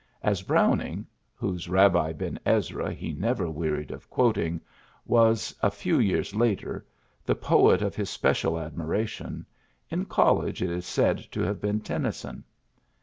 As Brown ing whose Bahbi Ben Ezra he never wearied of quoting was, a few years later, the poet of his special admira tion, in college it is said to have been Tennyson.